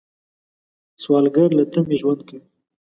سوالګر له تمې ژوند کوي